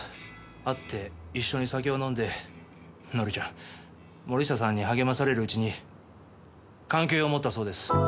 会って一緒に酒を飲んで紀ちゃん森下さんに励まされるうちに関係を持ったそうです。